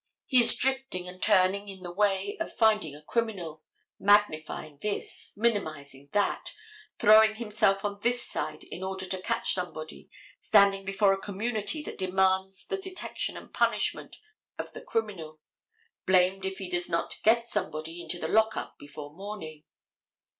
He is drifting and turning in the way of finding a criminal, magnifying this, minimizing that, throwing himself on this side in order to catch somebody, standing before a community that demands the detection and punishment of the criminal, blamed if he does not get somebody into the lockup before morning.